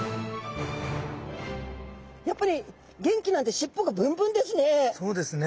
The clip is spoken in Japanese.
やっぱり元気なんでしっぽがブンブンですね。